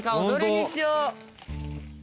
どれにしよう。